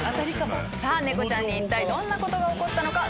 さあ猫ちゃんにいったいどんなことが起こったのか？